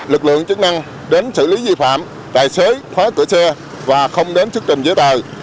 lực lượng chức năng đến xử lý vi phạm tài xế khóa cửa xe và không đến sức trình giới tài